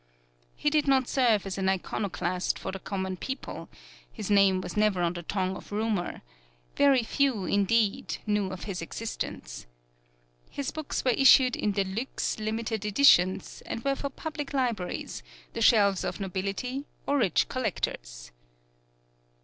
He did not serve as an iconoclast for the common people his name was never on the tongue of rumor very few, indeed, knew of his existence. His books were issued in deluxe, limited editions, and were for public libraries, the shelves of nobility or rich collectors.